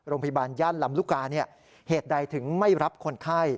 โรงพยาบาลย่านลำลูกกาเหตุใดถึงไม่รับคนไข้